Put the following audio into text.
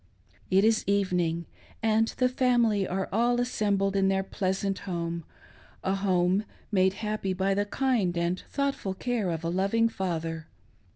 It is evening, and the family are all assembled in their pleasant home — a home made happy by the kind and thought ful care of a loving father.